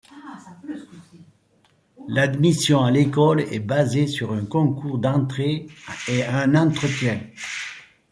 L'admission à l'école est basée sur un concours d'entrée et un entretien.